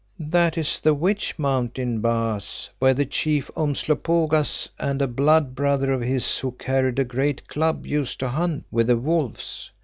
"That is the Witch Mountain, Baas, where the Chief Umslopogaas and a blood brother of his who carried a great club used to hunt with the wolves.